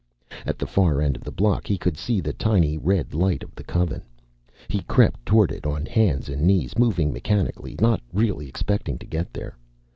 At the far end of the block he could see the tiny red light of the Coven. He crept toward it on hands and knees, moving mechanically, not really expecting to get there.